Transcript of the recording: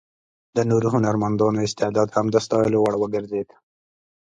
د نورو هنرمندانو استعداد هم د ستایلو وړ وګرځېد.